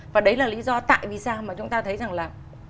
và đấy là lý do tại vì sao mà chúng ta thấy rằng là